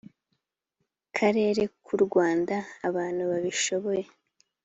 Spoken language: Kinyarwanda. karere k u rwanda abantu babishoboye